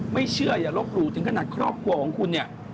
ไม่เชื่ออย่าลบหลู่ถึงขนาดครอบครัวของคุณเนี่ย